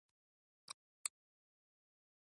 غرمه د زړو خلکو د استراحت وخت دی